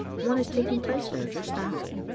One is taking place there just noYf.